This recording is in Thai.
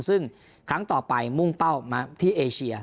ซึ่งครั้งต่อไปมุ่งเป้ามาที่เอเชีย